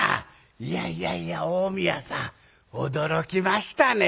いやいやいや近江屋さん驚きましたね。